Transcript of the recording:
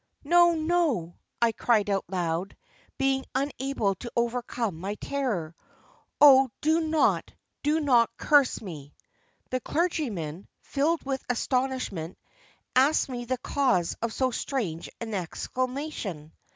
'No, no,' I cried aloud, being unable to overcome my terror, 'Oh, do not, do not curse me!' The clergyman, filled with astonishment, asked me the cause of so strange an exclamation.